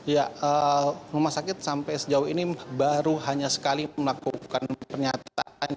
ya rumah sakit sampai sejauh ini baru hanya sekali melakukan pernyataan